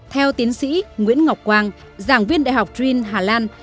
theo tiến sĩ nguyễn ngọc quang giảng viên đại học green hà lan